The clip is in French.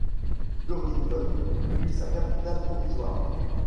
Burlington fut sa capitale provisoire.